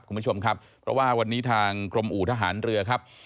คุณผู้ชมครับเพราะว่าวันนี้ทางกรมอู่ทหารเรือครับ